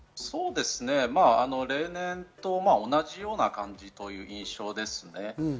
例年と同じような感じという印象ですね。